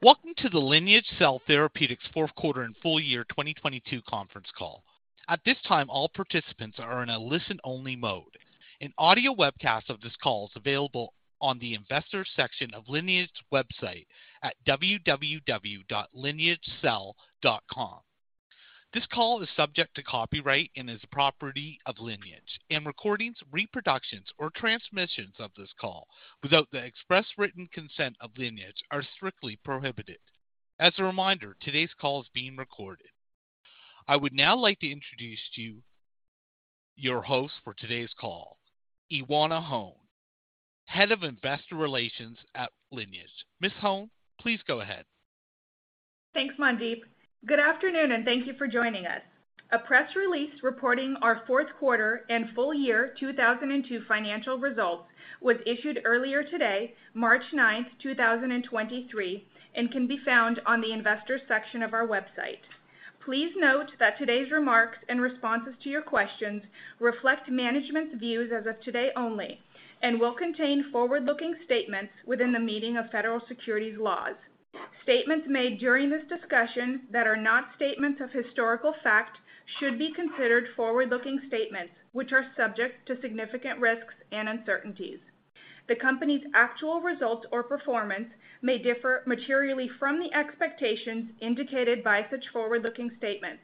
Welcome to the Lineage Cell Therapeutics fourth 1/4 and full year 2022 conference call. At this time, all participants are in a listen-only mode. An audio webcast of this call is available on the Investors section of Lineage's website at www.lineagecell.com. This call is subject to copyright and is the property of Lineage. Recordings, reproductions, or transmissions of this call without the express written consent of Lineage are strictly prohibited. As a reminder, today's call is being recorded. I would now like to introduce to you your host for today's call, Ioana Hone, Head of Investor Relations at Lineage. Ms. Hone, please go ahead. Thanks, Mandeep. Good afternoon, thank you for joining us. A press release reporting our fourth 1/4 and full year 2002 financial results was issued earlier today, March 9, 2023, can be found on the Investors section of our website. Please note that today's remarks and responses to your questions reflect management's views as of today only will contain forward-looking statements within the meaning of federal securities laws. Statements made during this discussion that are not statements of historical fact should be considered forward-looking statements, which are subject to significant risks and uncertainties. The company's actual results or performance may differ materially from the expectations indicated by such forward-looking statements.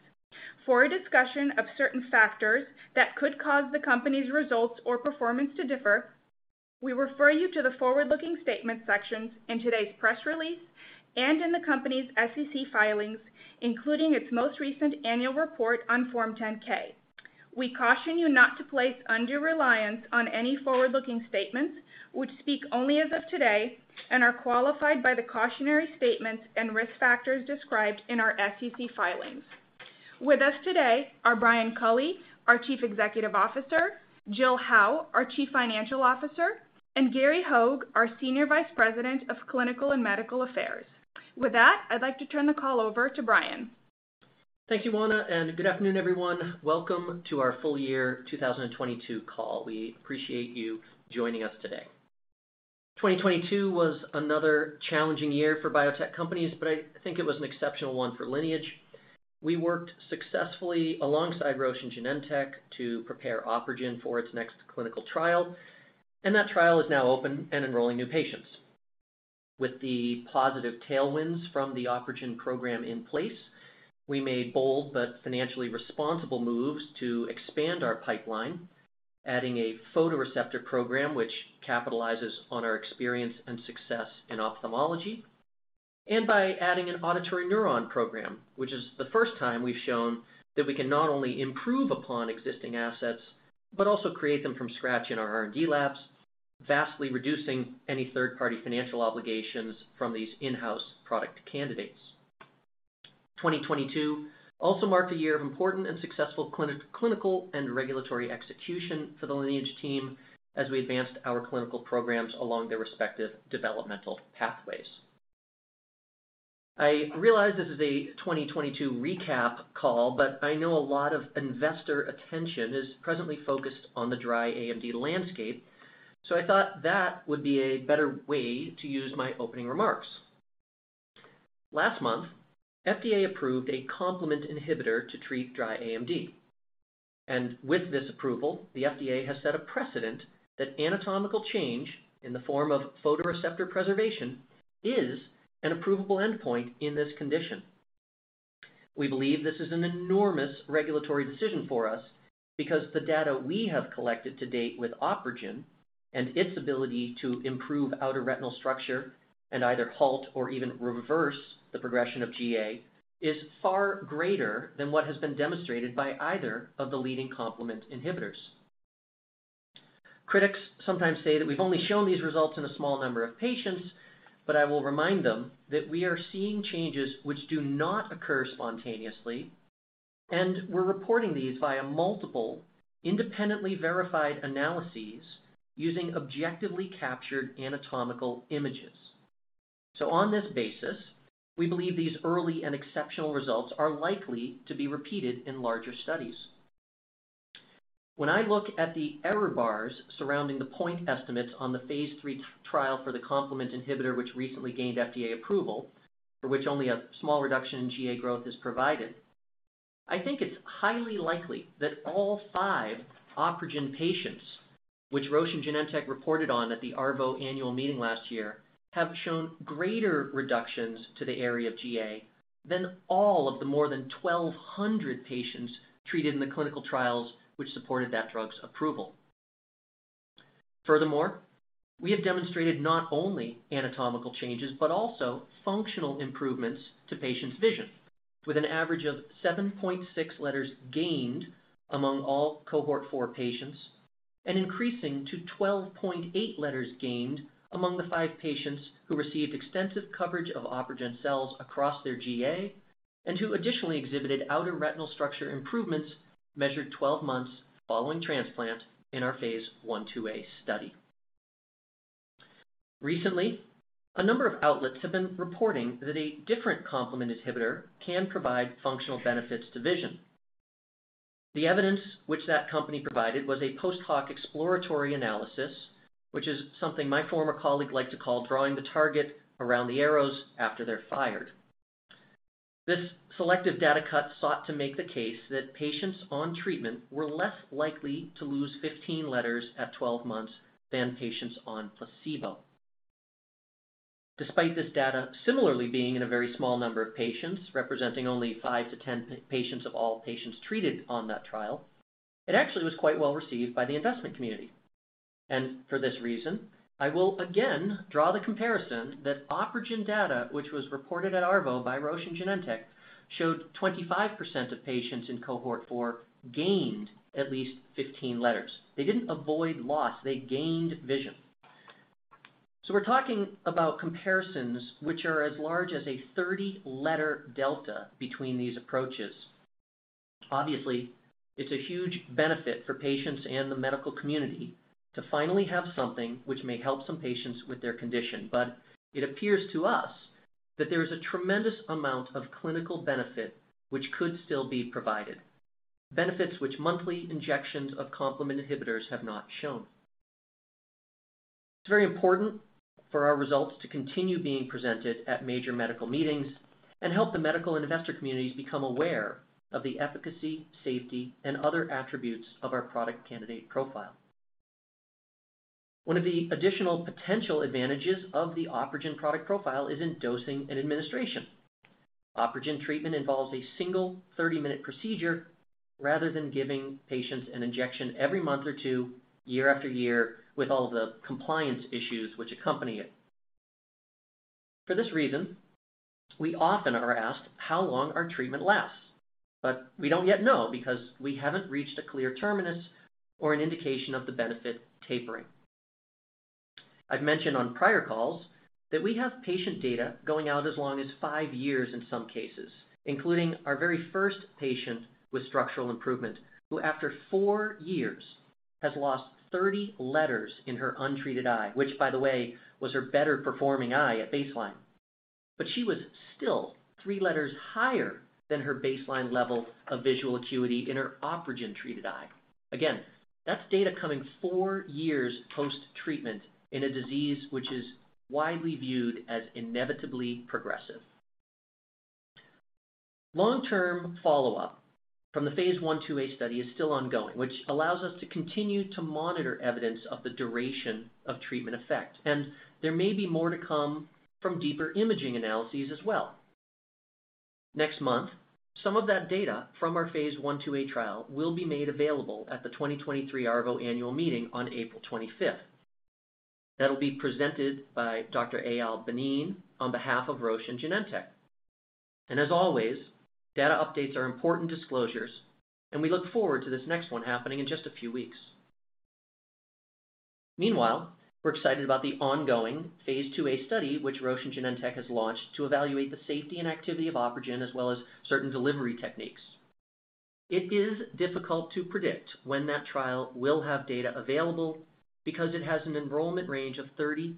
For a discussion of certain factors that could cause the company's results or performance to differ, we refer you to the forward-looking statements sections in today's press release and in the company's SEC filings, including its most recent annual report on Form 10-K. We caution you not to place undue reliance on any forward-looking statements, which speak only as of today and are qualified by the cautionary statements and risk factors described in our SEC filings. With us today are Brian Culley, our Chief Executive Officer; Jill Howe, our Chief Financial Officer; and Gary Hogge, our Senior Vice President of Clinical and Medical Affairs. With that, I'd like to turn the call over to Brian. Thank you, Ioana. Good afternoon, everyone. Welcome to our full year 2022 call. We appreciate you joining us today. 2022 was another challenging year for biotech companies, but I think it was an exceptional 1 for Lineage. We worked successfully alongside Roche and Genentech to prepare OpRegen for its next clinical trial. That trial is now open and enrolling new patients. With the positive tailwinds from the OpRegen program in place, we made bold but financially responsible moves to expand our pipeline, adding a photoreceptor program which capitalizes on our experience and success in ophthalmology, and by adding an auditory neuron program, which is the first time we've shown that we can not only improve upon existing assets, but also create them from scratch in our R&D labs, vastly reducing any 1/3-party financial obligations from these in-house product candidates. 2022 also marked a year of important and successful clinical and regulatory execution for the Lineage team as we advanced our clinical programs along their respective developmental pathways. I realize this is a 2022 recap call, but I know a lot of investor attention is presently focused on the dry AMD landscape, so I thought that would be a better way to use my opening remarks. Last month, FDA approved a complement inhibitor to treat dry AMD. With this approval, the FDA has set a precedent that anatomical change in the form of photoreceptor preservation is an approvable endpoint in this condition. We believe this is an enormous regulatory decision for us because the data we have collected to date with OpRegen and its ability to improve outer retinal structure and either halt or even reverse the progression of GA is far greater than what has been demonstrated by either of the leading complement inhibitors. Critics sometimes say that we've only shown these results in a small number of patients, but I will remind them that we are seeing changes which do not occur spontaneously, and we're reporting these via multiple independently verified analyses using objectively captured anatomical images. On this basis, we believe these early and exceptional results are likely to be repeated in larger studies. When I look at the error bars surrounding the point estimates on the Phase 3 trial for the complement inhibitor which recently gained FDA approval, for which only a small reduction in GA growth is provided, I think it's highly likely that all 5 OpRegen patients, which Roche and Genentech reported on at the ARVO annual meeting last year, have shown greater reductions to the area of GA than all of the more than 1,200 patients treated in the clinical trials which supported that drug's approval. We have demonstrated not only anatomical changes, but also functional improvements to patients' vision, with an average of 7.6 letters gained among all Cohort 4 patients and increasing to 12.8 letters gained among the 5 patients who received extensive coverage of OpRegen cells across their GA and who additionally exhibited outer retinal structure improvements measured 12 months following transplant in our Phase 1/2 study. Recently, a number of outlets have been reporting that a different complement inhibitor can provide functional benefits to vision. The evidence which that company provided was a post hoc exploratory analysis, which is something my former colleague liked to call drawing the target around the arrows after they're fired. This selective data cut sought to make the case that patients on treatment were less likely to lose 15 letters at 12 months than patients on placebo. Despite this data similarly being in a very small number of patients, representing only 5 to 10 patients of all patients treated on that trial, it actually was quite well received by the investment community. For this reason, I will again draw the comparison that OpRegen data, which was reported at ARVO by Roche and Genentech, showed 25% of patients in Cohort 4 gained at least 15 letters. They didn't avoid loss, they gained vision. We're talking about comparisons which are as large as a 30-letter delta between these approaches. Obviously, it's a huge benefit for patients and the medical community to finally have something which may help some patients with their condition. It appears to us that there is a tremendous amount of clinical benefit which could still be provided, benefits which monthly injections of complement inhibitors have not shown. It's very important for our results to continue being presented at major medical meetings and help the medical and investor communities become aware of the efficacy, safety, and other attributes of our product candidate profile. 1 of the additional potential advantages of the OpRegen product profile is in dosing and administration. OpRegen treatment involves a single 30-minute procedure rather than giving patients an injection every month or 2, year after year, with all the compliance issues which accompany it. For this reason, we often are asked how long our treatment lasts, but we don't yet know because we haven't reached a clear terminus or an indication of the benefit tapering. I've mentioned on prior calls that we have patient data going out as long as 5 years in some cases, including our very first patient with structural improvement, who after 4 years has lost 30 letters in her untreated eye, which by the way, was her better-performing eye at baseline. She was still 3 letters higher than her baseline level of visual acuity in her OpRegen-treated eye. Again, that's data coming 4 years post-treatment in a disease which is widely viewed as inevitably progressive. Long-term follow-up from the Phase 1/2a study is still ongoing, which allows us to continue to monitor evidence of the duration of treatment effect, and there may be more to come from deeper imaging analyses as well. Next month, some of that data from our Phase 1/2a trial will be made available at the 2023 ARVO Annual Meeting on April 25th. That'll be presented by Dr. Eyal Banin on behalf of Roche and Genentech. As always, data updates are important disclosures, and we look forward to this next 1 happening in just a few weeks. Meanwhile, we're excited about the ongoing Phase 2a study which Roche and Genentech has launched to evaluate the safety and activity of OpRegen, as well as certain delivery techniques. It is difficult to predict when that trial will have data available because it has an enrollment range of 30-60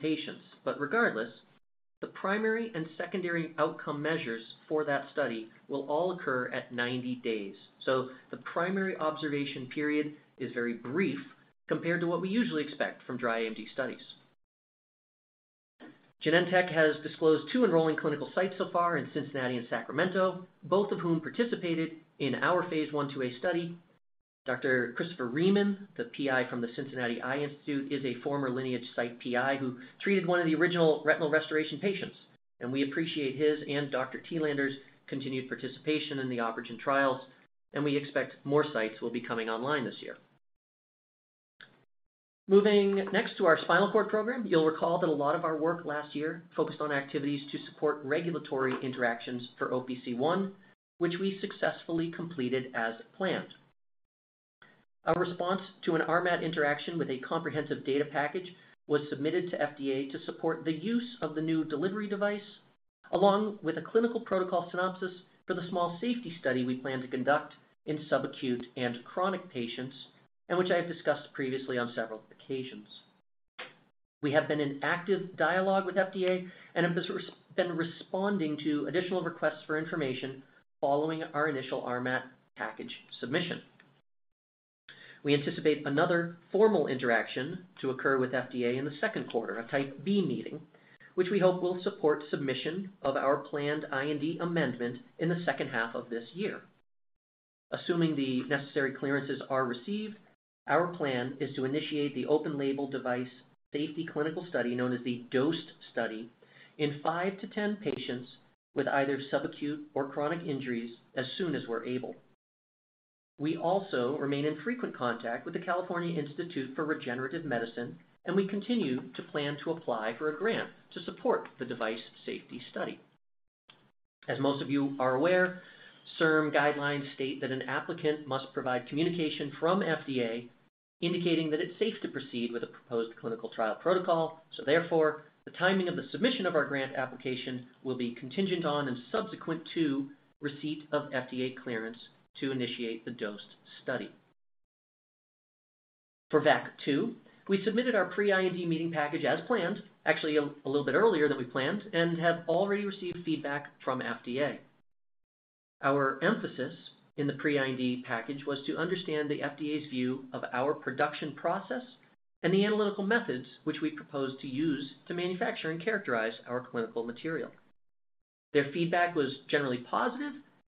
patients. Regardless, the primary and secondary outcome measures for that study will all occur at 90 days. The primary observation period is very brief compared to what we usually expect from dry AMD studies. Genentech has disclosed 2 enrolling clinical sites so far in Cincinnati and Sacramento, both of whom participated in our Phase 1/2 a study. Dr. Christopher Rhee, the PI from the Cincinnati Eye Institute, is a former Lineage site PI who treated 1 of the original retinal restoration patients. We appreciate his and uncertain continued participation in the OpRegen trials. We expect more sites will be coming online this year. Moving next to our spinal cord program, you'll recall that a lot of our work last year focused on activities to support regulatory interactions for OPC1, which we successfully completed as planned. Our response to an RMAT interaction with a comprehensive data package was submitted to FDA to support the use of the new delivery device, along with a clinical protocol synopsis for the small safety study we plan to conduct in subacute and chronic patients, which I have discussed previously on several occasions. We have been in active dialogue with FDA and have been responding to additional requests for information following our initial RMAT package submission. We anticipate another formal interaction to occur with FDA in the second 1/4, a Type B meeting, which we hope will support submission of our planned IND amendment in the second 1/2 of this year. Assuming the necessary clearances are received, our plan is to initiate the open label device safety clinical study, known as the DOSED study, in 5 to 10 patients with either subacute or chronic injuries as soon as we're able. We also remain in frequent contact with the California Institute for Regenerative Medicine, and we continue to plan to apply for a grant to support the device safety study. As most of you are aware, CIRM guidelines state that an applicant must provide communication from FDA indicating that it's safe to proceed with a proposed clinical trial protocol. Therefore, the timing of the submission of our grant application will be contingent on and subsequent to receipt of FDA clearance to initiate the DOSED study. For VAC2, we submitted our Pre-IND meeting package as planned, actually a little bit earlier than we planned, and have already received feedback from FDA. Our emphasis in the Pre-IND package was to understand the FDA's view of our production process and the analytical methods which we propose to use to manufacture and characterize our clinical material. Their feedback was generally positive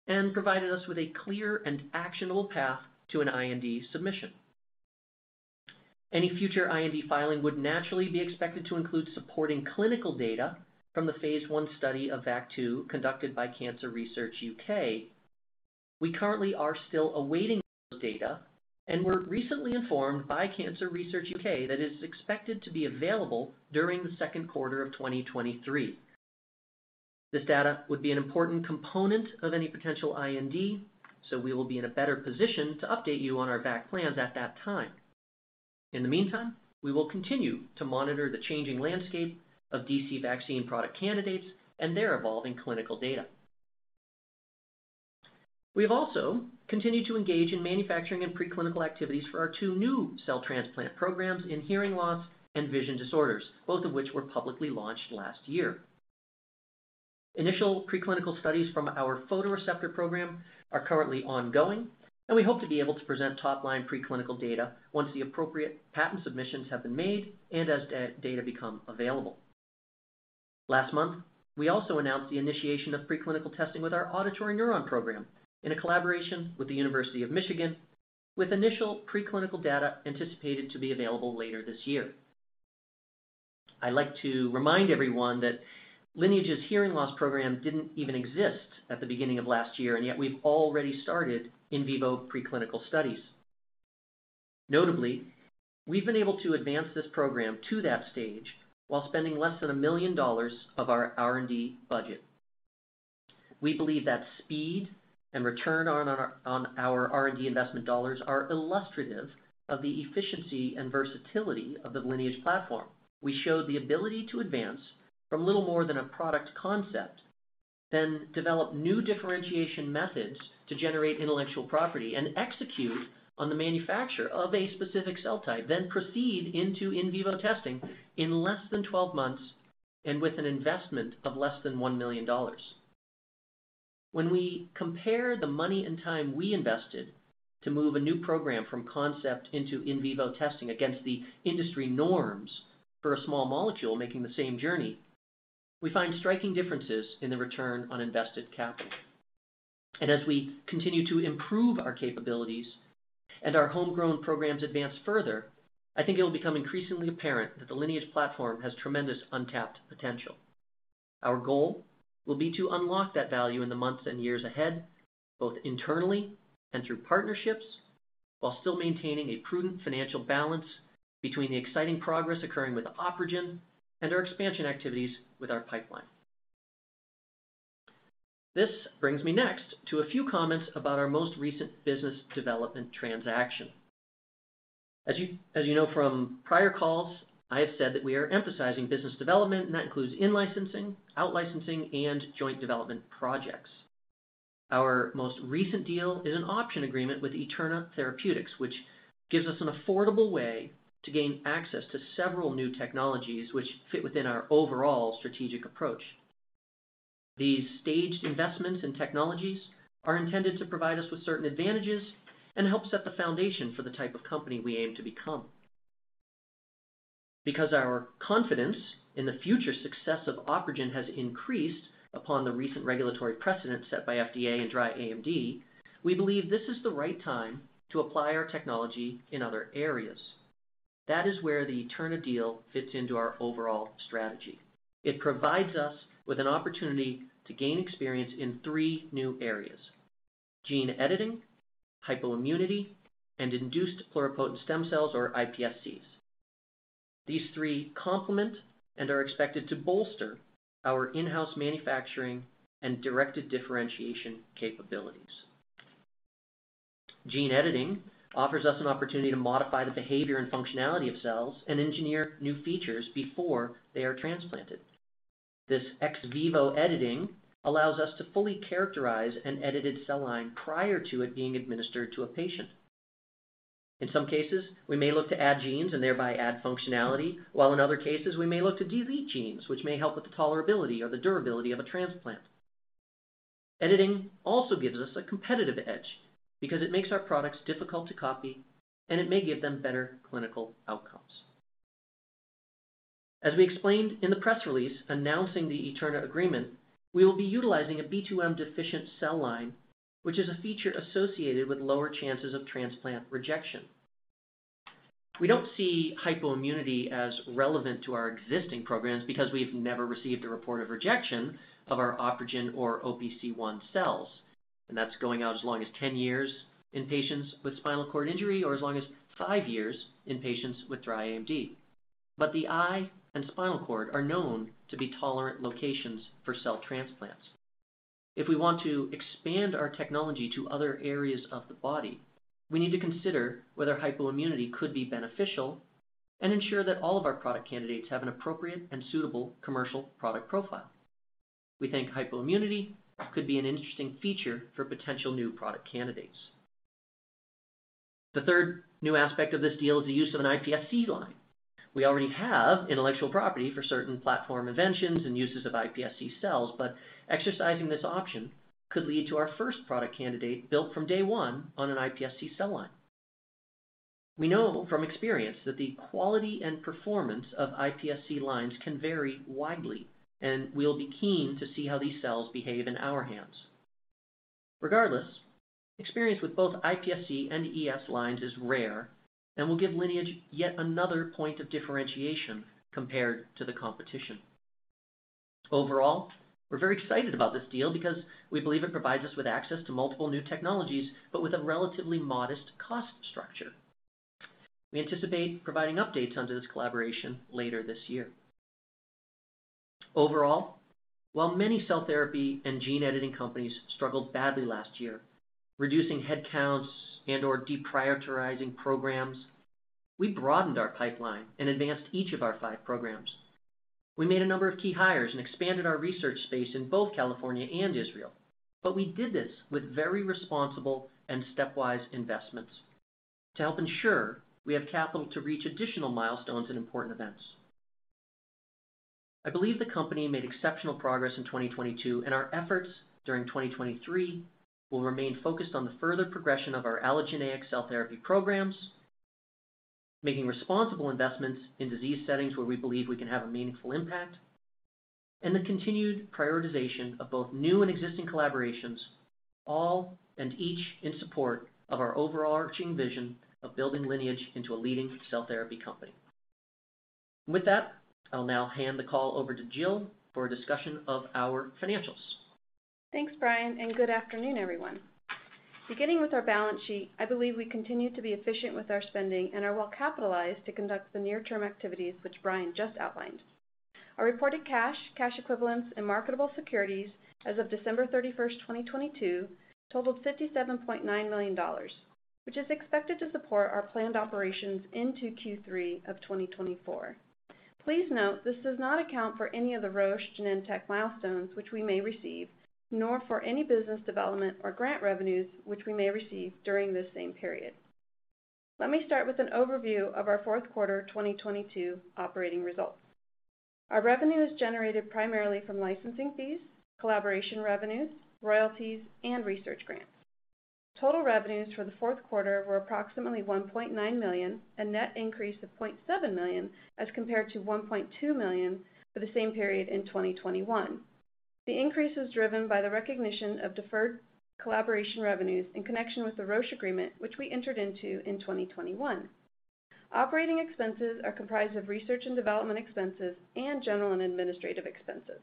and provided us with a clear and actionable path to an IND submission. Any future IND filing would naturally be expected to include supporting clinical data from the phase I study of VAC2 conducted by Cancer Research UK. We currently are still awaiting those data and were recently informed by Cancer Research UK that it is expected to be available during the second 1/4 of 2023. This data would be an important component of any potential IND, so we will be in a better position to update you on our VAC plans at that time. In the meantime, we will continue to monitor the changing landscape of DC vaccine product candidates and their evolving clinical data. We have also continued to engage in manufacturing and preclinical activities for our 2 new cell transplant programs in hearing loss and vision disorders, both of which were publicly launched last year. Initial preclinical studies from our photoreceptor program are currently ongoing, and we hope to be able to present top-line preclinical data once the appropriate patent submissions have been made and as data become available. Last month, we also announced the initiation of preclinical testing with our auditory neuron program in a collaboration with the University of Michigan, with initial preclinical data anticipated to be available later this year. I'd like to remind everyone that Lineage's hearing loss program didn't even exist at the beginning of last year, and yet we've already started in vivo preclinical studies. Notably, we've been able to advance this program to that stage while spending less than $1 million of our R&D budget. We believe that speed and return on our R&D investment dollars are illustrative of the efficiency and versatility of the Lineage platform. We showed the ability to advance from little more than a product concept, then develop new differentiation methods to generate intellectual property and execute on the manufacture of a specific cell type, then proceed into in vivo testing in less than 12 months and with an investment of less than $1 million. When we compare the money and time we invested to move a new program from concept into in vivo testing against the industry norms for a small molecule making the same journey, we find striking differences in the return on invested capital. As we continue to improve our capabilities and our homegrown programs advance further, I think it'll become increasingly apparent that the Lineage platform has tremendous untapped potential. Our goal will be to unlock that value in the months and years ahead, both internally and through partnerships, while still maintaining a prudent financial balance between the exciting progress occurring with OpRegen and our expansion activities with our pipeline. This brings me next to a few comments about our most recent business development transaction. As you know from prior calls, I have said that we are emphasizing business development, and that includes in-licensing, out-licensing, and joint development projects. Our most recent deal is an option agreement with eterna therapeutics, which gives us an affordable way to gain access to several new technologies which fit within our overall strategic approach. These staged investments and technologies are intended to provide us with certain advantages and help set the foundation for the type of company we aim to become. Our confidence in the future success of OpRegen has increased upon the recent regulatory precedent set by FDA and dry AMD, we believe this is the right time to apply our technology in other areas. That is where the Eterna deal fits into our overall strategy. It provides us with an opportunity to gain experience in 3 new areas: gene editing, hypoimmunity, and induced pluripotent stem cells or iPSCs. These 3 complement and are expected to bolster our in-house manufacturing and directed differentiation capabilities. Gene editing offers us an opportunity to modify the behavior and functionality of cells and engineer new features before they are transplanted. This ex vivo editing allows us to fully characterize an edited cell line prior to it being administered to a patient. In some cases, we may look to add genes and thereby add functionality, while in other cases, we may look to delete genes which may help with the tolerability or the durability of a transplant. Editing also gives us a competitive edge because it makes our products difficult to copy, and it may give them better clinical outcomes. As we explained in the press release announcing the Eterna agreement, we will be utilizing a B2M-deficient cell line, which is a feature associated with lower chances of transplant rejection. We don't see hypoimmunity as relevant to our existing programs because we've never received a report of rejection of our OpRegen or OPC1 cells, and that's going out as long as 10 years in patients with spinal cord injury or as long as five years in patients with dry AMD. The eye and spinal cord are known to be tolerant locations for cell transplants. If we want to expand our technology to other areas of the body, we need to consider whether hypoimmunity could be beneficial and ensure that all of our product candidates have an appropriate and suitable commercial product profile. We think hypoimmunity could be an interesting feature for potential new product candidates. The 1/3 new aspect of this deal is the use of an iPSC line. We already have intellectual property for certain platform inventions and uses of iPSC cells, but exercising this option could lead to our first product candidate built from day 1 on an iPSC cell line. We know from experience that the quality and performance of iPSC lines can vary widely, and we'll be keen to see how these cells behave in our hands. Regardless, experience with both iPSC and ES lines is rare, and will give Lineage yet another point of differentiation compared to the competition. Overall, we're very excited about this deal because we believe it provides us with access to multiple new technologies, but with a relatively modest cost structure. We anticipate providing updates under this collaboration later this year. Overall, while many cell therapy and gene editing companies struggled badly last year, reducing headcounts and or deprioritizing programs, we broadened our pipeline and advanced each of our 5 programs. We made a number of key hires and expanded our research space in both California and Israel, but we did this with very responsible and stepwise investments to help ensure we have capital to reach additional milestones and important events. I believe the company made exceptional progress in 2022, and our efforts during 2023 will remain focused on the further progression of our allogeneic cell therapy programs, making responsible investments in disease settings where we believe we can have a meaningful impact, and the continued prioritization of both new and existing collaborations, all and each in support of our overarching vision of building Lineage into a leading cell therapy company. With that, I'll now hand the call over to Jill for a discussion of our financials. Thanks, Brian, and good afternoon, everyone. Beginning with our balance sheet, I believe we continue to be efficient with our spending and are well-capitalized to conduct the near-term activities which Brian just outlined. Our reported cash equivalents, and marketable securities as of December 31, 2022 totaled $57.9 million, which is expected to support our planned operations into Q3 of 2024. Please note this does not account for any of the Roche Genentech milestones which we may receive, nor for any business development or grant revenues which we may receive during this same period. Let me start with an overview of our fourth 1/4 2022 operating results. Our revenue is generated primarily from licensing fees, collaboration revenues, royalties, and research grants. Total revenues for the fourth 1/4 were approximately $1.9 million, a net increase of $0.7 million as compared to $1.2 million for the same period in 2021. The increase is driven by the recognition of deferred collaboration revenues in connection with the Roche agreement, which we entered into in 2021. Operating expenses are comprised of research and development expenses and general and administrative expenses.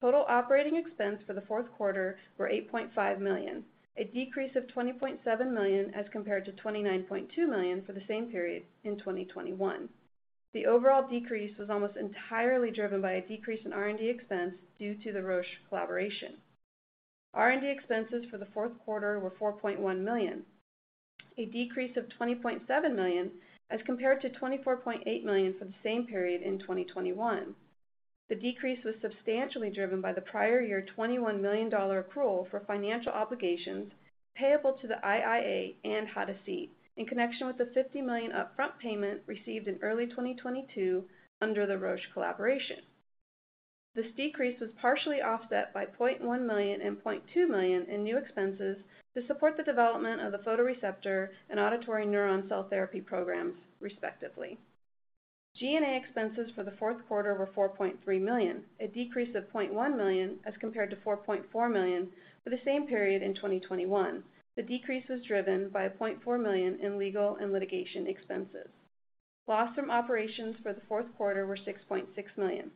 Total operating expense for the fourth 1/4 were $8.5 million, a decrease of $20.7 million as compared to $29.2 million for the same period in 2021. The overall decrease was almost entirely driven by a decrease in R&D expense due to the Roche collaboration. R&D expenses for the fourth 1/4 were $4.1 million, a decrease of $20.7 million as compared to $24.8 million for the same period in 2021. The decrease was substantially driven by the prior year $21 million accrual for financial obligations payable to the IIA and Hadasit in connection with the $50 million upfront payment received in early 2022 under the Roche collaboration. This decrease was partially offset by $0.1 million and $0.2 million in new expenses to support the development of the photoreceptor and auditory neuron cell therapy programs, respectively. G&A expenses for the fourth 1/4 were $4.3 million, a decrease of $0.1 million as compared to $4.4 million for the same period in 2021. The decrease was driven by a $0.4 million in legal and litigation expenses. Loss from operations for the fourth 1/4 were $6.6 million.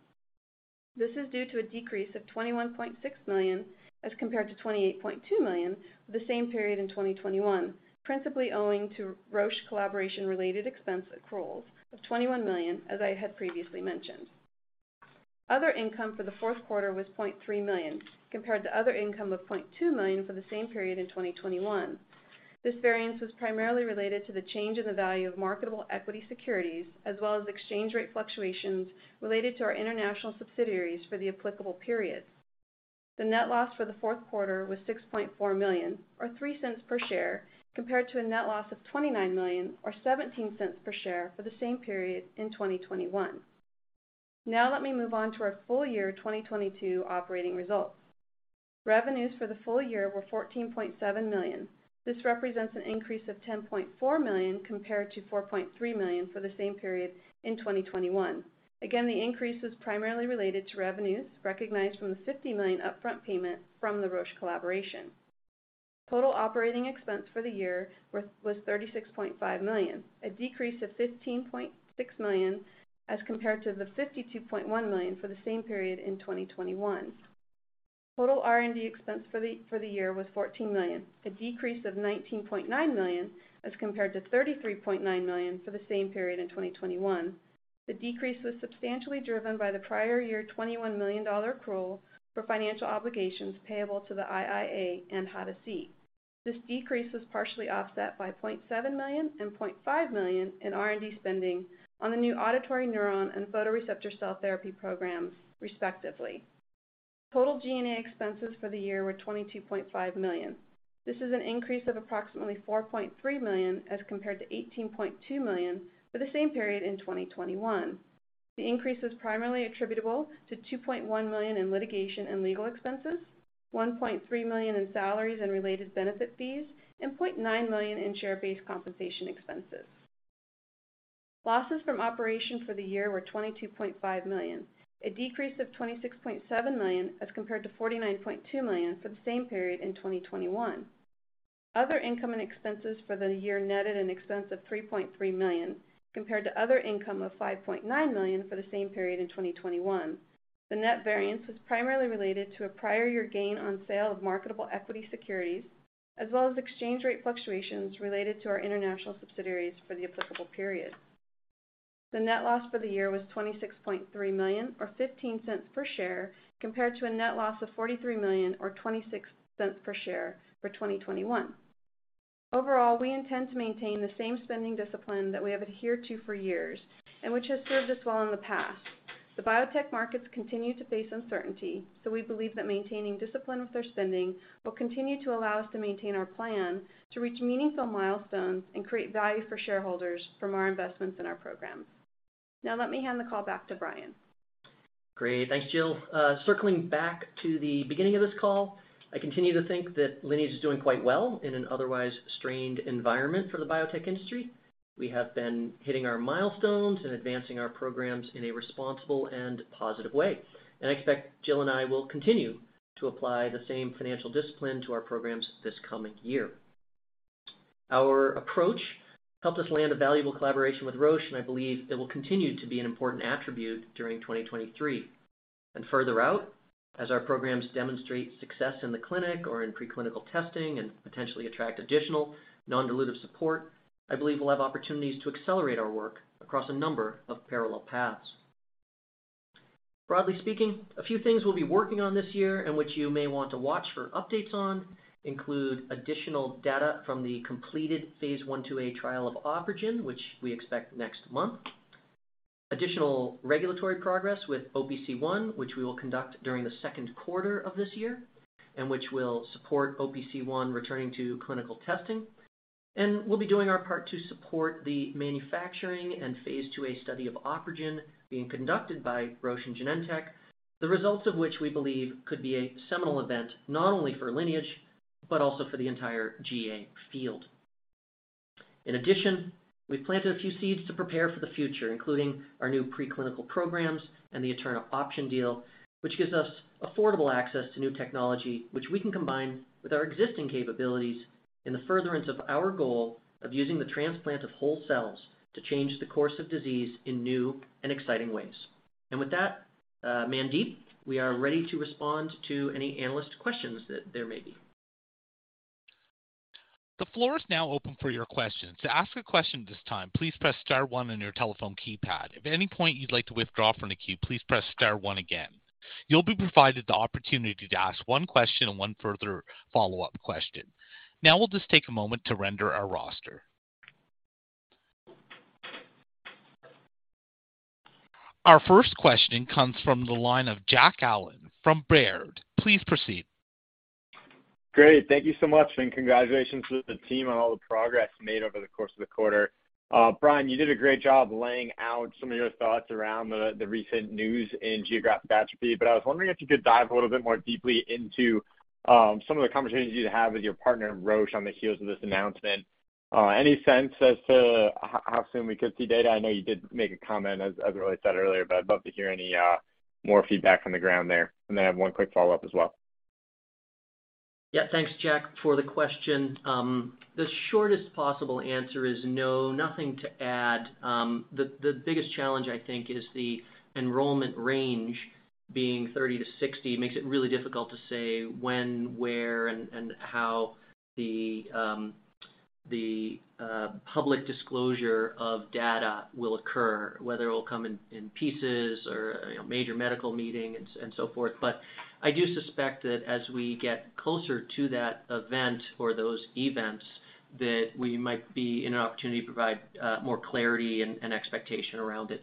This is due to a decrease of $21.6 million as compared to $28.2 million for the same period in 2021, principally owing to Roche collaboration-related expense accruals of $21 million, as I had previously mentioned. Other income for the fourth 1/4 was $0.3 million, compared to other income of $0.2 million for the same period in 2021. This variance was primarily related to the change in the value of marketable equity securities, as well as exchange rate fluctuations related to our international subsidiaries for the applicable periods. The net loss for the fourth 1/4 was $6.4 million, or $0.03 per share, compared to a net loss of $29 million, or $0.17 per share for the same period in 2021. Now let me move on to our full year 2022 operating results. Revenues for the full year were $14.7 million. This represents an increase of $10.4 million compared to $4.3 million for the same period in 2021. Again, the increase was primarily related to revenues recognized from the $50 million upfront payment from the Roche collaboration. Total operating expense for the year was $36.5 million, a decrease of $15.6 million as compared to the $52.1 million for the same period in 2021. Total R&D expense for the year was $14 million, a decrease of $19.9 million as compared to $33.9 million for the same period in 2021. The decrease was substantially driven by the prior year $21 million accrual for financial obligations payable to the IIA and Hadasit. This decrease was partially offset by $0.7 million and $0.5 million in R&D spending on the new auditory neuron and photoreceptor cell therapy programs, respectively. Total G&A expenses for the year were $22.5 million. This is an increase of approximately $4.3 million as compared to $18.2 million for the same period in 2021. The increase was primarily attributable to $2.1 million in litigation and legal expenses, $1.3 million in salaries and related benefit fees, and $0.9 million in share-based compensation expenses. Losses from operations for the year were $22.5 million, a decrease of $26.7 million as compared to $49.2 million for the same period in 2021. Other income and expenses for the year netted an expense of $3.3 million compared to other income of $5.9 million for the same period in 2021. The net variance was primarily related to a prior year gain on sale of marketable equity securities as well as exchange rate fluctuations related to our international subsidiaries for the applicable period. The net loss for the year was $26.3 million or $0.15 per share compared to a net loss of $43 million or $0.26 per share for 2021. Overall, we intend to maintain the same spending discipline that we have adhered to for years and which has served us well in the past. The biotech markets continue to face uncertainty, so we believe that maintaining discipline with our spending will continue to allow us to maintain our plan to reach meaningful milestones and create value for shareholders from our investments in our programs. Let me hand the call back to Brian. Great. Thanks, Jill. Circling back to the beginning of this call, I continue to think that Lineage is doing quite well in an otherwise strained environment for the biotech industry. We have been hitting our milestones and advancing our programs in a responsible and positive way. I expect Jill and I will continue to apply the same financial discipline to our programs this coming year. Our approach helped us land a valuable collaboration with Roche, and I believe it will continue to be an important attribute during 2023. Further out, as our programs demonstrate success in the clinic or in preclinical testing and potentially attract additional non-dilutive support, I believe we'll have opportunities to accelerate our work across a number of parallel paths. Broadly speaking, a few things we'll be working on this year and which you may want to watch for updates on include additional data from the completed Phase 1/2 a trial of OpRegen, which we expect next month. Additional regulatory progress with OPC1, which we will conduct during the second 1/4 of this year, and which will support OPC1 returning to clinical testing. We'll be doing our part to support the manufacturing and Phase 2 a study of OpRegen being conducted by Roche and Genentech, the results of which we believe could be a seminal event, not only for Lineage, but also for the entire GA field. In addition, we've planted a few seeds to prepare for the future, including our new preclinical programs and the Eterna option deal, which gives us affordable access to new technology, which we can combine with our existing capabilities in the furtherance of our goal of using the transplant of whole cells to change the course of disease in new and exciting ways. With that, Mandeep, we are ready to respond to any analyst questions that there may be. The floor is now open for your questions. To ask a question at this time, please press star 1 on your telephone keypad. If at any point you'd like to withdraw from the queue, please press star 1 again. You'll be provided the opportunity to ask 1 question and 1 further follow-up question. Now we'll just take a moment to render our roster. Our first question comes from the line of Jack Allen from Baird. Please proceed. Great. Thank you so much, and congratulations to the team on all the progress made over the course of the 1/4. Brian, you did a great job laying out some of your thoughts around the recent news in geographic atrophy, but I was wondering if you could dive a little bit more deeply into some of the conversations you had to have with your partner, Roche, on the heels of this announcement. Any sense as to how soon we could see data? I know you did make a comment as Roy said earlier, but I'd love to hear any more feedback from the ground there. I have 1 quick follow-up as well. Yeah. Thanks, Jack, for the question. The shortest possible answer is no, nothing to add. The biggest challenge I think is the enrollment range being 30-60 makes it really difficult to say when, where, and how the public disclosure of data will occur, whether it will come in pieces or, you know, major medical meetings and so forth. I do suspect that as we get closer to that event or those events, that we might be in an opportunity to provide more clarity and expectation around it.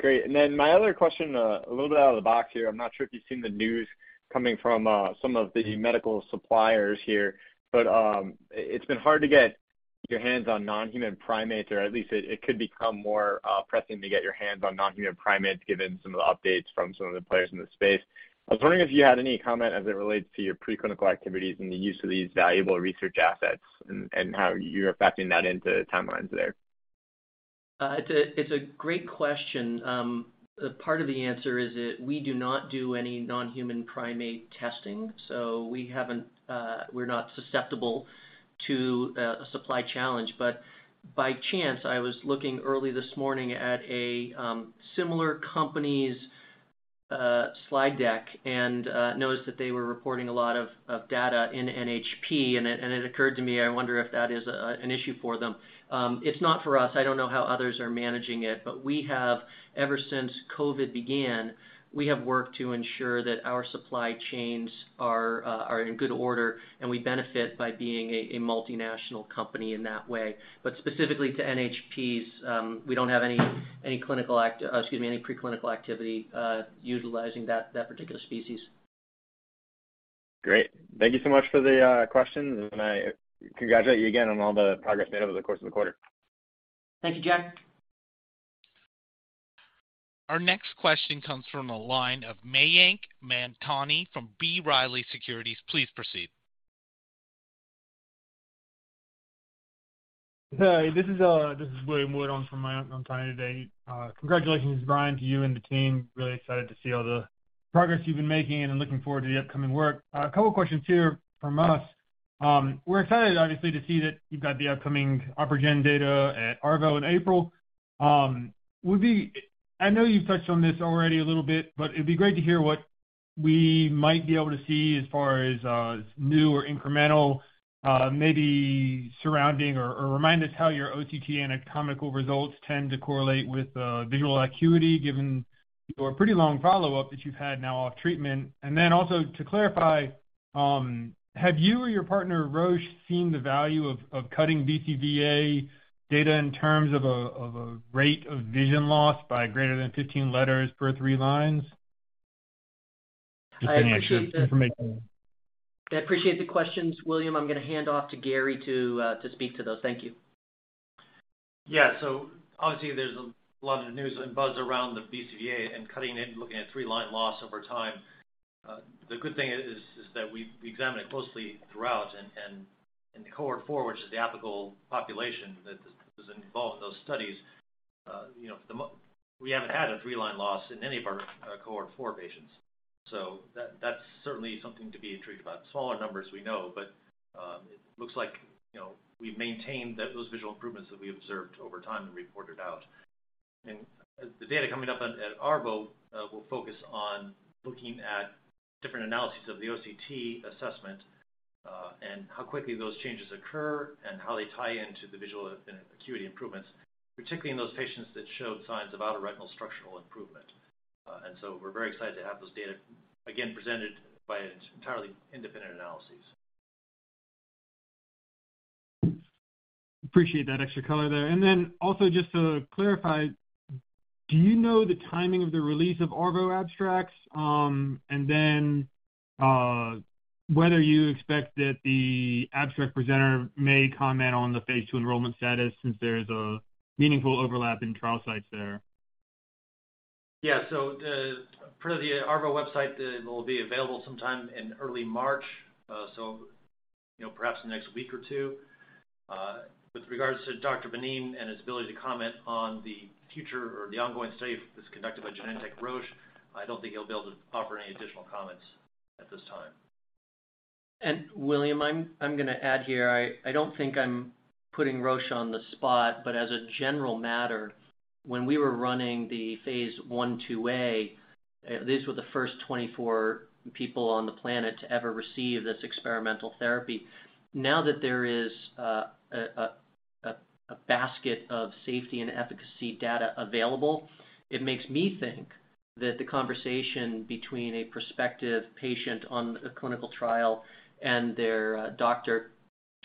Great. Great. My other question, a little bit out of the box here. I'm not sure if you've seen the news coming from, some of the medical suppliers here, but, it's been hard to get your hands on non-human primates, or at least it could become more pressing to get your hands on non-human primates given some of the updates from some of the players in the space. I was wondering if you had any comment as it relates to your preclinical activities and the use of these valuable research assets and how you're factoring that into timelines there? It's a, it's a great question. Part of the answer is that we do not do any non-human primate testing, so we're not susceptible to a supply challenge. By chance, I was looking early this morning at a similar company's Slide deck and noticed that they were reporting a lot of data in NHP, and it occurred to me, I wonder if that is an issue for them. It's not for us. I don't know how others are managing it, but we have ever since COVID began, we have worked to ensure that our supply chains are in good order, and we benefit by being a multinational company in that way. Specifically to NHPs, we don't have any clinical act... excuse me, any preclinical activity, utilizing that particular species. Great. Thank you so much for the questions. I congratulate you again on all the progress made over the course of the 1/4. Thank you, Jack. Our next question comes from the line of Mayank Mamtani from B. Riley Securities. Please proceed. Hi, this is William Wood on for Mayank Mamtani today. Congratulations, Brian, to you and the team. Really excited to see all the progress you've been making and looking forward to the upcoming work. A couple questions here from us. We're excited obviously to see that you've got the upcoming OpRegen data at ARVO in April. I know you've touched on this already a little bit, but it'd be great to hear what we might be able to see as far as new or incremental, maybe surrounding or remind us how your OCT anatomical results tend to correlate with visual acuity given your pretty long follow-up that you've had now off treatment? Also to clarify, have you or your partner Roche seen the value of cutting BCVA data in terms of a rate of vision loss by greater than 15 letters per 3 lines? Just any extra information. I appreciate the questions, William. I'm gonna hand off to Gary to speak to those. Thank you. Yeah. Obviously there's a lot of news and buzz around the BCVA and cutting in, looking at 3-line loss over time. The good thing is that we examine it closely throughout and Cohort 4, which is the applicable population that is involved in those studies, you know, we haven't had a 3-line loss in any of our Cohort 4 patients. That's certainly something to be intrigued about. Smaller numbers we know, but it looks like, you know, we've maintained those visual improvements that we observed over time and reported out. The data coming up at ARVO will focus on looking at different analyses of the OCT assessment, and how quickly those changes occur and how they tie into the visual and acuity improvements, particularly in those patients that showed signs of outer retinal structural improvement. We're very excited to have those data again presented by entirely independent analyses. Appreciate that extra color there. Also just to clarify, do you know the timing of the release of ARVO abstracts? whether you expect that the abstract presenter may comment on the Phase 2 enrollment status since there's a meaningful overlap in trial sites there. Yeah. Per the ARVO website, it will be available sometime in early March, you know, perhaps the next week or 2. With regards to Dr. Banin and his ability to comment on the future or the ongoing study that's conducted by Genentech Roche, I don't think he'll be able to offer any additional comments at this time. William, I'm gonna add here. I don't think I'm putting Roche on the spot, but as a general matter, when we were running the phase 1/2 a, these were the first 24 people on the planet to ever receive this experimental therapy. Now that there is a basket of safety and efficacy data available, it makes me think that the conversation between a prospective patient on a clinical trial and their doctor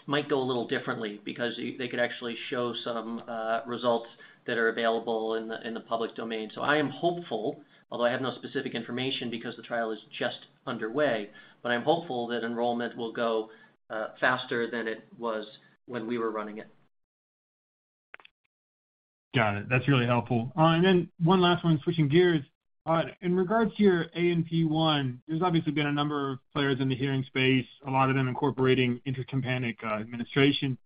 might go a little differently because they could actually show some results that are available in the public domain. I am hopeful, although I have no specific information because the trial is just underway, but I'm hopeful that enrollment will go faster than it was when we were running it. Got it. That's really helpful. Then 1 last 1, switching gears. In regards to your ANP1, there's obviously been a number of players in the hearing space, a lot of them incorporating intratympanic administration.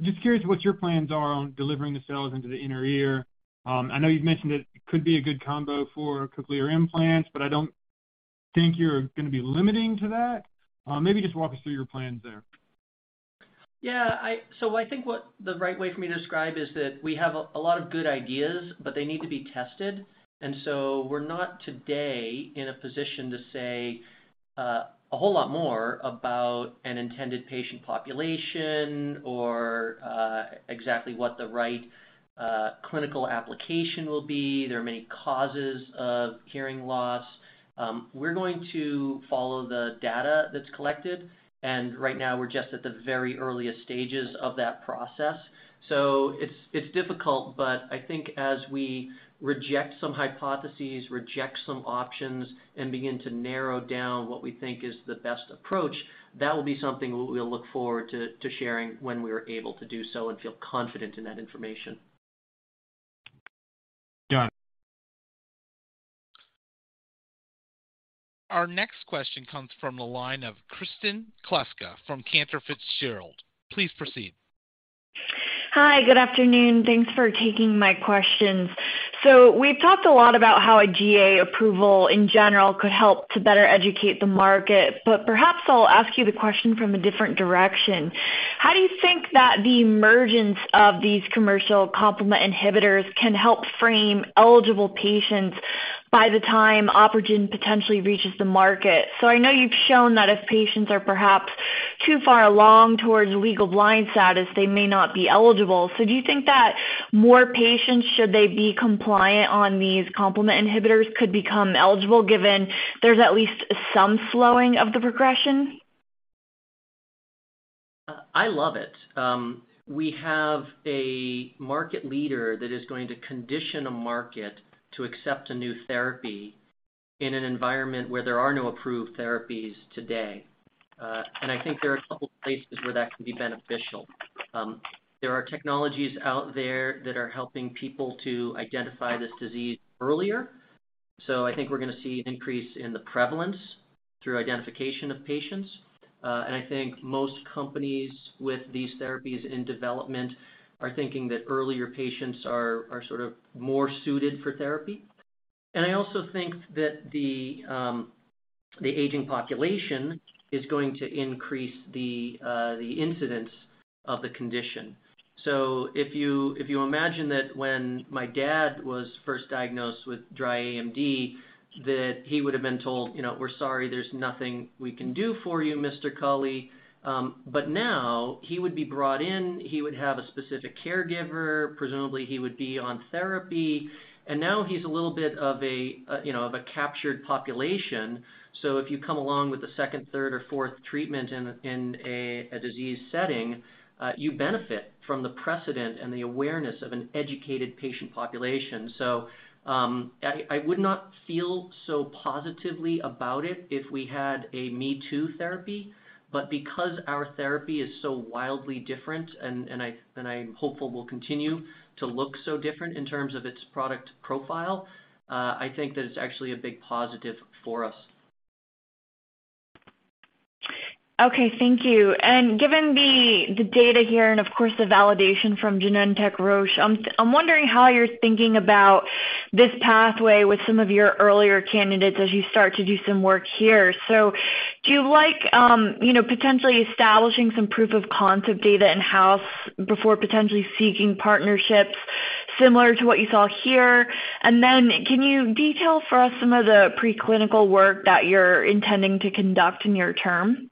Just curious what your plans are on delivering the cells into the inner ear. I know you've mentioned it could be a good combo for cochlear implants, but I don't think you're gonna be limiting to that. Maybe just walk us through your plans there. Yeah. I think what the right way for me to describe is that we have a lot of good ideas, but they need to be tested. We're not today in a position to say a whole lot more about an intended patient population or exactly what the right clinical application will be. There are many causes of hearing loss. We're going to follow the data that's collected, and right now we're just at the very earliest stages of that process. It's difficult, but I think as we reject some hypotheses, reject some options, and begin to narrow down what we think is the best approach, that will be something we'll look forward to sharing when we are able to do so and feel confident in that information. Got it. Our next question comes from the line of Kristen Kluska from Cantor Fitzgerald. Please proceed. Hi, good afternoon. Thanks for taking my questions. We've talked a lot about how a GA approval in general could help to better educate the market, but perhaps I'll ask you the question from a different direction. How do you think that the emergence of these commercial complement inhibitors can help frame eligible patients by the time OpRegen potentially reaches the market? I know you've shown that if patients are perhaps too far along towards legal blind status, they may not be eligible. Do you think that more patients, should they be compliant on these complement inhibitors, could become eligible given there's at least some slowing of the progression? I love it. We have a market leader that is going to condition a market to accept a new therapy in an environment where there are no approved therapies today. I think there are a couple of places where that can be beneficial. There are technologies out there that are helping people to identify this disease earlier. So I think we're gonna see an increase in the prevalence through identification of patients. I think most companies with these therapies in development are thinking that earlier patients are sort of more suited for therapy. I also think that the aging population is going to increase the incidence of the condition. If you imagine that when my dad was first diagnosed with dry AMD, that he would have been told, you know, "We're sorry, there's nothing we can do for you, Mr. Culley." Now he would be brought in, he would have a specific caregiver. Presumably, he would be on therapy. Now he's a little bit of a, you know, of a captured population. If you come along with the second, 1/3, or fourth treatment in a disease setting, you benefit from the precedent and the awareness of an educated patient population. I would not feel so positively about it if we had a me-too therapy. Because our therapy is so wildly different, and I'm hopeful will continue to look so different in terms of its product profile, I think that it's actually a big positive for us. Okay. Thank you. Given the data here and of course, the validation from Genentech Roche, I'm wondering how you're thinking about this pathway with some of your earlier candidates as you start to do some work here. Do you like, you know, potentially establishing some proof of concept data in-house before potentially seeking partnerships similar to what you saw here? Can you detail for us some of the preclinical work that you're intending to conduct in your term?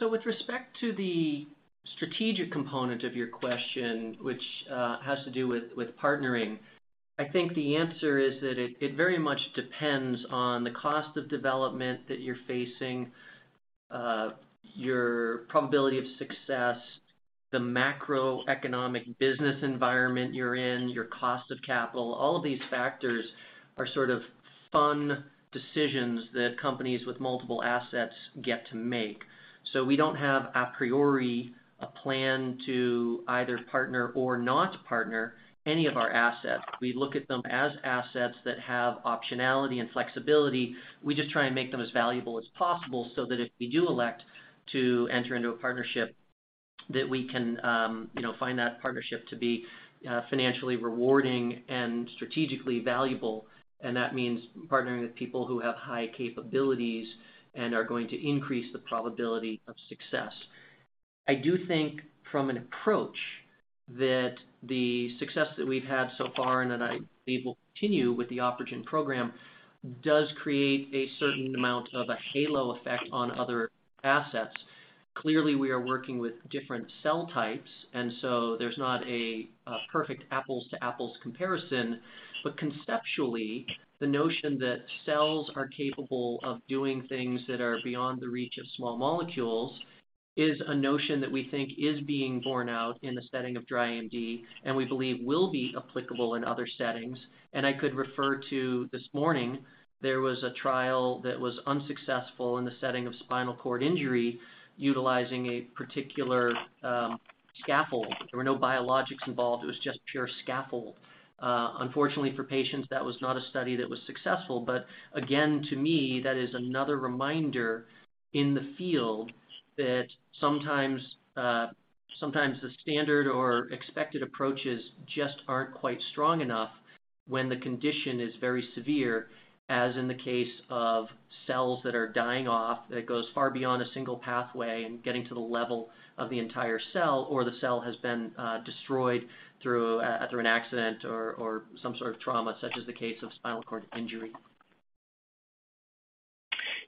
With respect to the strategic component of your question, which has to do with partnering, I think the answer is that it very much depends on the cost of development that you're facing, your probability of success, the macroeconomic business environment you're in, your cost of capital. All of these factors are sort of fun decisions that companies with multiple assets get to make. We don't have a priori, a plan to either partner or not partner any of our assets. We look at them as assets that have optionality and flexibility. We just try and make them as valuable as possible so that if we do elect to enter into a partnership, that we can, you know, find that partnership to be financially rewarding and strategically valuable. That means partnering with people who have high capabilities and are going to increase the probability of success. I do think from an approach that the success that we've had so far and that I believe will continue with the OpRegen program, does create a certain amount of a halo effect on other assets. We are working with different cell types, and so there's not a perfect apples to apples comparison. Conceptually, the notion that cells are capable of doing things that are beyond the reach of small molecules is a notion that we think is being borne out in the setting of dry AMD and we believe will be applicable in other settings. I could refer to this morning, there was a trial that was unsuccessful in the setting of spinal cord injury utilizing a particular scaffold. There were no biologics involved. It was just pure scaffold. Unfortunately for patients, that was not a study that was successful. Again, to me, that is another reminder in the field that sometimes the standard or expected approaches just aren't quite strong enough when the condition is very severe, as in the case of cells that are dying off, that goes far beyond a single pathway and getting to the level of the entire cell, or the cell has been destroyed through an accident or some sort of trauma, such as the case of spinal cord injury.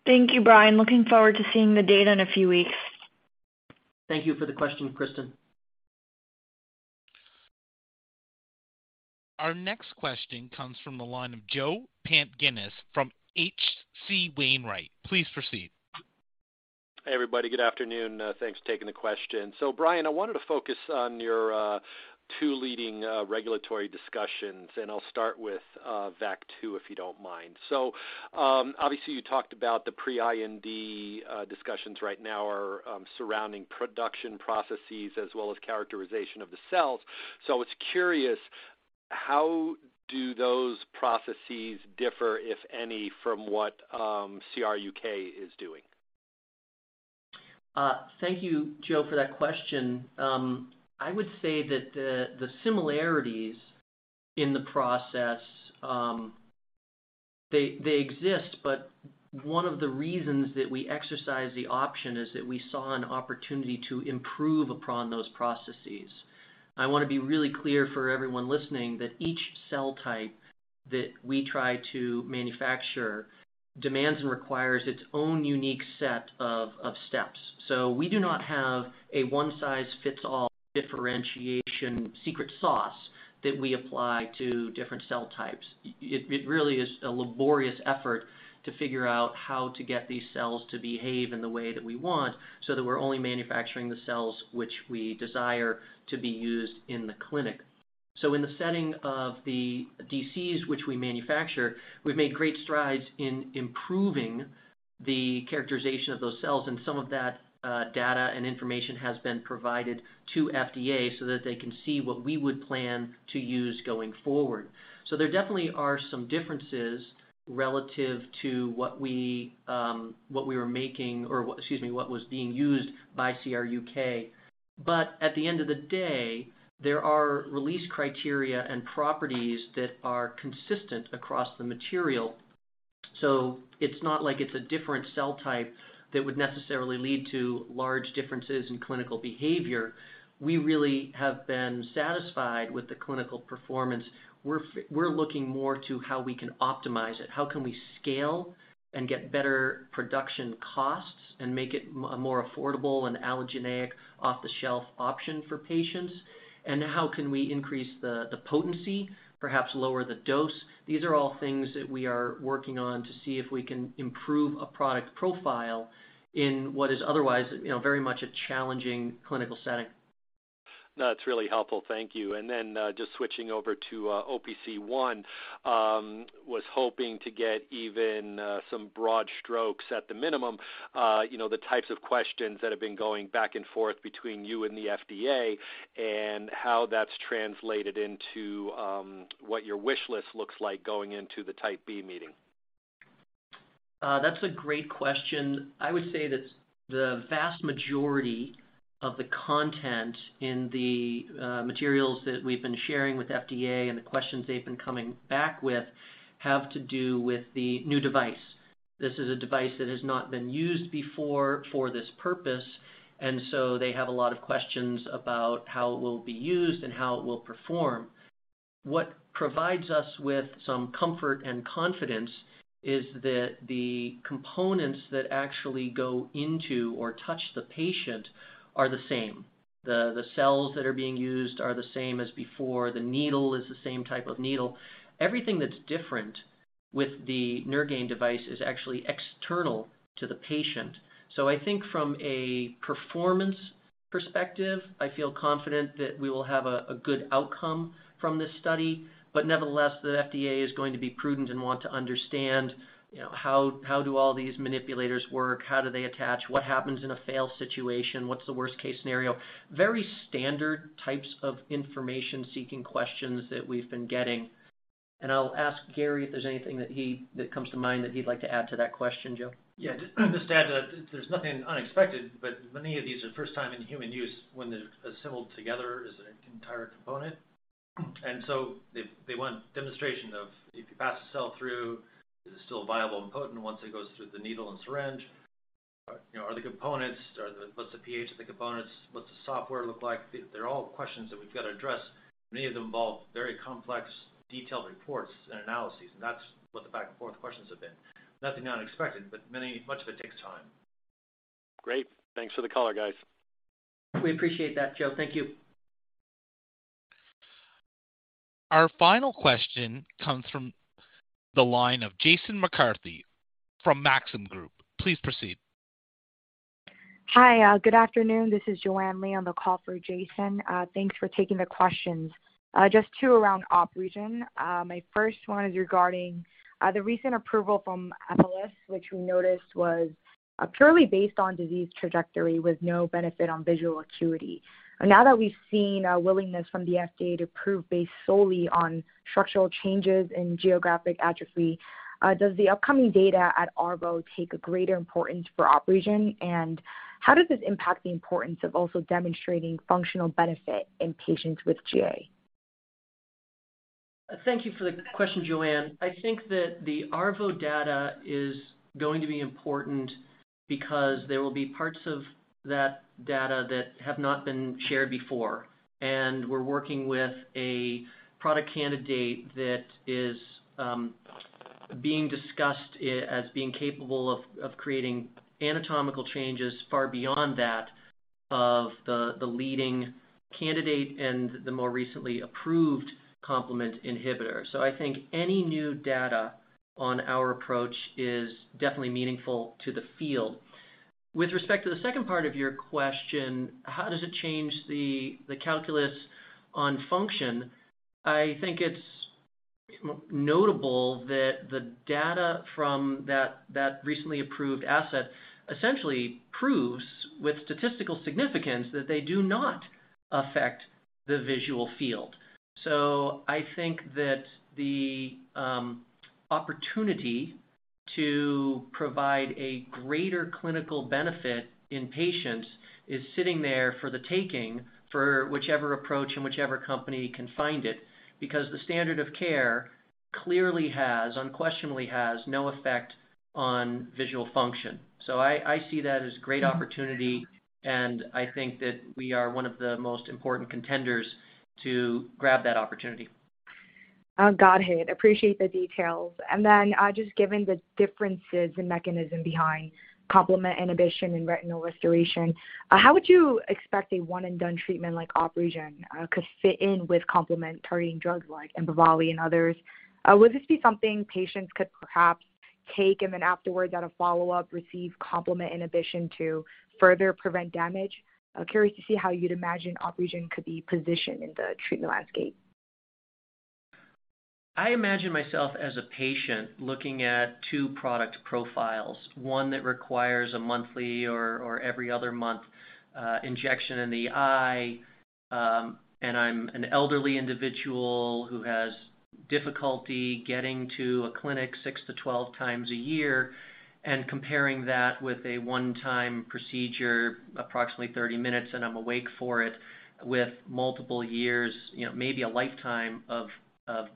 Thank you, Brian. Looking forward to seeing the data in a few weeks. Thank you for the question, Kristen. Our next question comes from the line of Joseph Pantginis from H.C. Wainwright. Please proceed. Hey, everybody. Good afternoon. Thanks for taking the question. Brian, I wanted to focus on your 2 leading regulatory discussions, and I'll start with VAC2, if you don't mind. Obviously you talked about the Pre-IND discussions right now are surrounding production processes as well as characterization of the cells. I was curious, how do those processes differ, if any, from what CRUK is doing? Thank you, Joseph, for that question. I would say that the similarities in the process, they exist, 1 of the reasons that we exercise the option is that we saw an opportunity to improve upon those processes. I wanna be really clear for everyone listening that each cell type that we try to manufacture demands and requires its own unique set of steps. We do not have a one-size-fits-all differentiation secret sauce that we apply to different cell types. It really is a laborious effort to figure out how to get these cells to behave in the way that we want so that we're only manufacturing the cells which we desire to be used in the clinic. In the setting of the DCs which we manufacture, we've made great strides in improving the characterization of those cells, and some of that data and information has been provided to FDA so that they can see what we would plan to use going forward. There definitely are some differences relative to what we were making or Excuse me. What was being used by CRUK. At the end of the day, there are release criteria and properties that are consistent across the material, so it's not like it's a different cell type that would necessarily lead to large differences in clinical behavior. We really have been satisfied with the clinical performance. We're looking more to how we can optimize it, how can we scale and get better production costs and make it more affordable and allogeneic off-the-shelf option for patients, and how can we increase the potency, perhaps lower the dose. These are all things that we are working on to see if we can improve a product profile in what is otherwise, you know, very much a challenging clinical setting. No, that's really helpful. Thank you. Just switching over to OPC1, was hoping to get even some broad strokes at the minimum, you know, the types of questions that have been going back and forth between you and the FDA and how that's translated into what your wish list looks like going into the Type B Meeting. That's a great question. I would say that the vast majority of the content in the materials that we've been sharing with FDA and the questions they've been coming back with have to do with the new device. This is a device that has not been used before for this purpose. They have a lot of questions about how it will be used and how it will perform. What provides us with some comfort and confidence is that the components that actually go into or touch the patient are the same. The cells that are being used are the same as before. The needle is the same type of needle. Everything that's different with the Neurogain device is actually external to the patient. I think from a performance perspective, I feel confident that we will have a good outcome from this study. Nevertheless, the FDA is going to be prudent and want to understand, you know, how do all these manipulators work? How do they attach? What happens in a fail situation? What's the worst-case scenario? Very standard types of information-seeking questions that we've been getting. I'll ask Gary if there's anything that comes to mind that he'd like to add to that question, Joe. Yeah. Just to add to that, there's nothing unexpected, but many of these are first time in human use when they're assembled together as an entire component. They, they want demonstration of if you pass the cell through, is it still viable and potent once it goes through the needle and syringe? you know, what's the pH of the components? What's the software look like? They're all questions that we've got to address. Many of them involve very complex, detailed reports and analyses, and that's what the back-and-forth questions have been. Nothing unexpected, but much of it takes time. Great. Thanks for the color, guys. We appreciate that, Joseph. Thank you. Our final question comes from the line of Jason McCarthy from Maxim Group. Please proceed. Hi. Good afternoon. This is Joanne Lee on the call for Jason. Thanks for taking the questions. Just 2 around OpRegen. My first 1 is regarding the recent approval from Apellis, which we noticed was purely based on disease trajectory with no benefit on visual acuity. Now that we've seen a willingness from the FDA to prove based solely on structural changes in geographic atrophy, does the upcoming data at ARVO take a greater importance for OpRegen? How does this impact the importance of also demonstrating functional benefit in patients with GA? Thank you for the question, Joanne Lee. I think that the ARVO data is going to be important because there will be parts of that data that have not been shared before. We're working with a product candidate that is being discussed as being capable of creating anatomical changes far beyond that of the leading candidate and the more recently approved complement inhibitor. I think any new data on our approach is definitely meaningful to the field. With respect to the second part of your question, how does it change the calculus on function, I think it's notable that the data from that recently approved asset essentially proves with statistical significance that they do not affect the visual field. I think that the opportunity to provide a greater clinical benefit in patients is sitting there for the taking for whichever approach and whichever company can find it, because the standard of care clearly has, unquestionably has no effect on visual function. I see that as great opportunity, and I think that we are 1 of the most important contenders to grab that opportunity. Oh, got it. Appreciate the details. Then, just given the differences in mechanism behind complement inhibition and retinal restoration, how would you expect a one-and-done treatment like OpRegen could fit in with complement targeting drugs like SYFOVRE and others? Would this be something patients could perhaps take and then afterwards at a follow-up receive complement inhibition to further prevent damage? I'm curious to see how you'd imagine OpRegen could be positioned in the treatment landscape. I imagine myself as a patient looking at 2 product profiles, 1 that requires a monthly or every other month, injection in the eye, and I'm an elderly individual who has difficulty getting to a clinic 6-12 times a year, and comparing that with a one-time procedure, approximately 30 minutes, and I'm awake for it, with multiple years, you know, maybe a lifetime of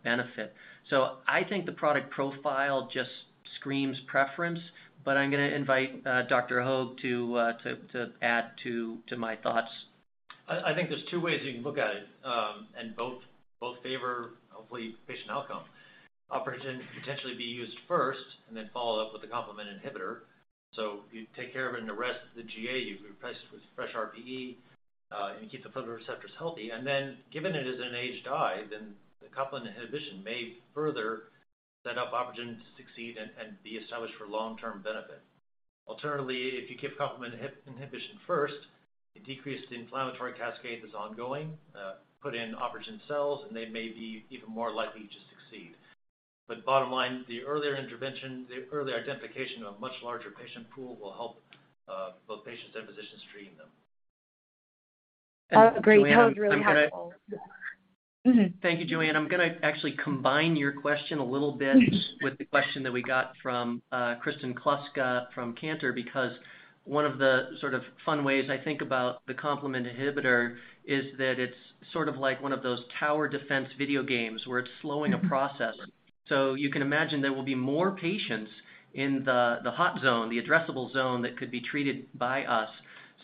benefit. I think the product profile just screams preference, but I'm gonna invite Dr. Hogge to add to my thoughts. I think there's 2 ways you can look at it, and both favor, hopefully, patient outcome. OpRegen could potentially be used first and then followed up with a complement inhibitor. So you take care of it and the rest of the GA, you replace it with fresh RPE, and keep the photoreceptors healthy. Given it is an aged eye, then the complement inhibition may further set up OpRegen to succeed and be established for long-term benefit. Alternatively, if you give complement inhibition first, it decreases the inflammatory cascade that's ongoing, put in OpRegen cells, and they may be even more likely to succeed. Bottom line, the earlier intervention, the earlier identification of a much larger patient pool will help both patients and physicians treat them. Oh, great. That was really helpful. Thank you, Joanne. I'm gonna actually combine your question a little bit with the question that we got from Kristen Kluska from Cantor Fitzgerald. 1 of the sort of fun ways I think about the complement inhibitor is that it's sort of like 1 of those tower defense video games where it's slowing a process. You can imagine there will be more patients in the hot zone, the addressable zone that could be treated by us.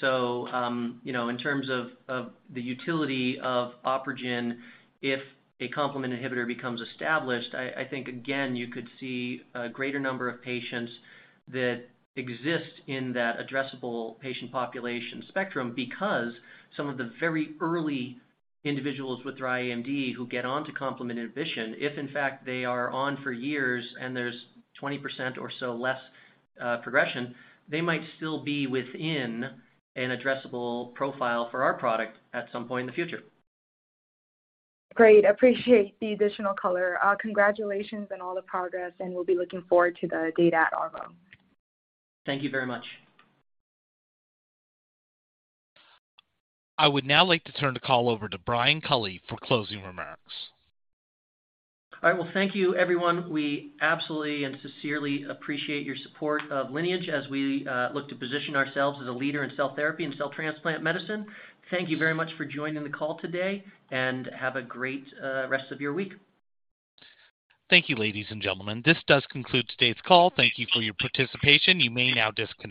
You know, in terms of the utility of OpRegen, if a complement inhibitor becomes established, I think again, you could see a greater number of patients that exist in that addressable patient population spectrum because some of the very early individuals with dry AMD who get on to complement inhibition. If in fact they are on for years and there's 20% or so less, progression, they might still be within an addressable profile for our product at some point in the future. Great. Appreciate the additional color. Congratulations on all the progress, we'll be looking forward to the data at ARVO. Thank you very much. I would now like to turn the call over to Brian Culley for closing remarks. All right. Well, thank you, everyone. We absolutely and sincerely appreciate your support of Lineage as we look to position ourselves as a leader in cell therapy and cell transplant medicine. Thank you very much for joining the call today, and have a great rest of your week. Thank you, ladies and gentlemen. This does conclude today's call. Thank you for your participation. You may now disconnect.